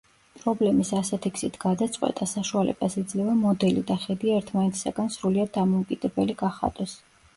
პრობლემის ასეთი გზით გადაწყვეტა საშუალებას იძლევა მოდელი და ხედი ერთმანეთისაგან სრულიად დამოუკიდებელი გახადოს.